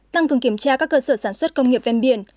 tăng cường kiểm tra các cơ sở sản xuất công nghiệp ven biển